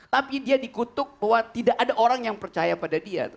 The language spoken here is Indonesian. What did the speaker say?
tapi dia dikutuk bahwa tidak ada orang yang percaya pada dia